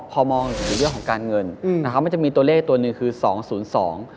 พอมองถึงเรื่องของการเงินอืมนะครับมันจะมีตัวเลขตัวหนึ่งคือสองศูนย์สอง